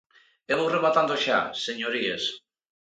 E vou rematando xa, señorías.